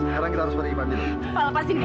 pak lepasin dia pak